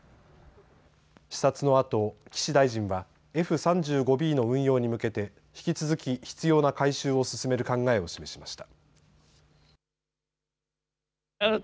視察のあと岸大臣はＦ３５Ｂの運用に向けて引き続き必要な改修を進める考えを示しました。